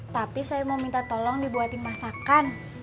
tapi saya mau minta tolong dibuatin masakan